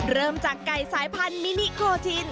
เริ่มจากไก่สายพันธมินิโคชิน